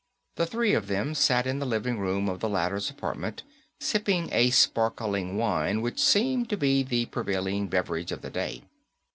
The three of them sat in the living room of the latter's apartment, sipping a sparkling wine which seemed to be the prevailing beverage of the day.